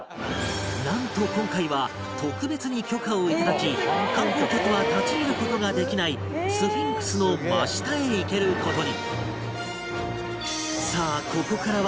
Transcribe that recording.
なんと今回は特別に許可を頂き観光客は立ち入る事ができないスフィンクスの真下へ行ける事に